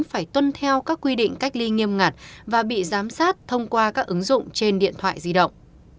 phải tuân theo các quy định cách ly nghiêm ngặt và bị giám sát thông qua các ứng dụng trên điện thoại di động